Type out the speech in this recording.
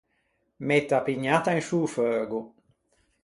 Mette a pugnatta in sciô feugo.